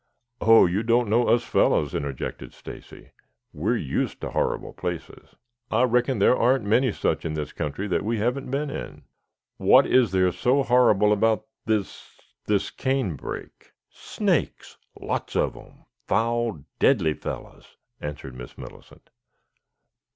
"Oh, you don't know us fellows," interjected Stacy. "We are used to horrible places. I reckon there aren't many such in this country that we haven't been in. What is there so horrible about this this canebrake?" "Snakes, lots of them, foul deadly fellows," answered Miss Millicent.